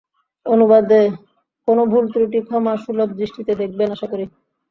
অনুবাদে কোনো ভুলত্রুটি ক্ষমাসুলভ দৃষ্টিতে দেখবেন আশা করি।